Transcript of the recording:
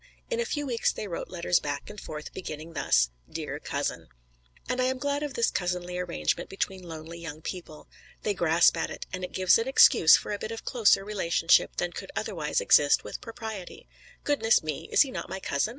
In a few weeks they wrote letters back and forth beginning thus: Dear Cousin. And I am glad of this cousinly arrangement between lonely young people. They grasp at it; and it gives an excuse for a bit of closer relationship than could otherwise exist with propriety. Goodness me! is he not my cousin?